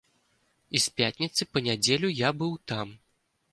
І з пятніцы па нядзелю я быў там.